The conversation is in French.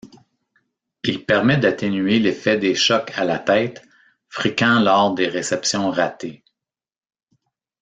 Il permet d'atténuer l'effet des chocs à la tête, fréquents lors des réceptions ratées.